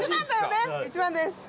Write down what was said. １番です。